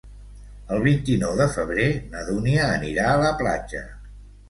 El vint-i-nou de febrer na Dúnia anirà a la platja.